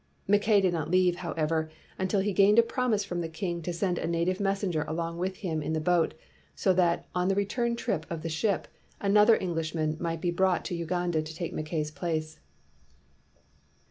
Mackay did not leave, however, until he gained a promise from the king to send a native messenger along with him in the boat, so that, on the return trip of the ship, another Englishman might be brought to Uganda to take Mackay 's place.